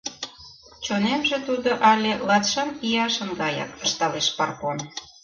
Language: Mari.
— Чонемже тудо але латшым ияшын гаяк, — ышталеш Парпон.